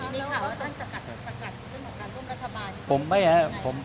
มีข่าวว่าท่านสกัดเรื่องของการร่วมรัฐบาล